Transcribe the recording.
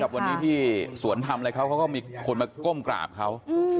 กับวันนี้ที่สวนธรรมอะไรเขาก็มีคนมาก้มกราบเขา